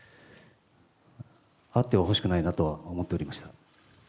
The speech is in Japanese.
あってはほしくないなとは思っておりました。